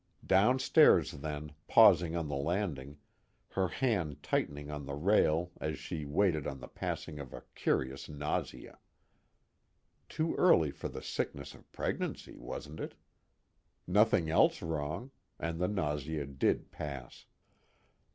Downstairs then, pausing on the landing, her hand tightening on the rail as she waited on the passing of a curious nausea. Too early for the sickness of pregnancy, wasn't it? Nothing else wrong, and the nausea did pass.